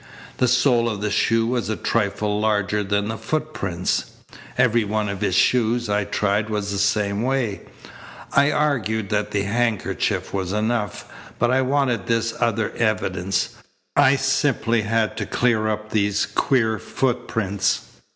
The sole of the shoe was a trifle larger than the footprints. Every one of his shoes I tried was the same way. I argued that the handkerchief was enough, but I wanted this other evidence. I simply had to clear up these queer footprints.